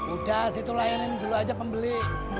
udah situ layanin dulu aja pembeli